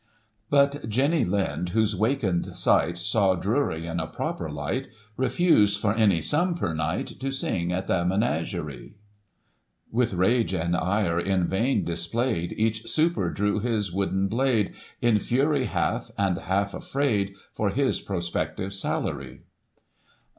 But Jenny Lind, whose waken'd sight Saw Drury in a proper light, Refused, for any sum per night, To sing at the Menagerie. Digitized by Google 3IO GOSSIP. [1847 With rage and ire in vain displayed. Each super drew his wooden blade. In fury half, and half afraid For his prospective salary.